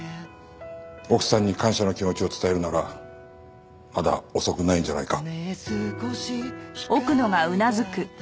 奥さんに感謝の気持ちを伝えるならまだ遅くないんじゃないか？